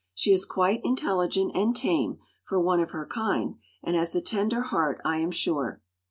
She is quite intelligent and tame, for one of her kind, and has a tender heart, I am sure."